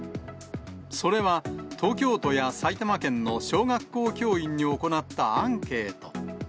それは、東京都や埼玉県の小学校教員に行ったアンケート。